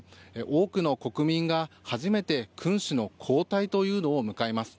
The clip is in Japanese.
多くの国民が初めて君主の交代というのを迎えます。